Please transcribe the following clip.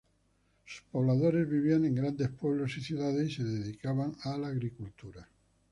Sus pobladores vivían en grandes pueblos y ciudades y se dedicaban a la agricultura.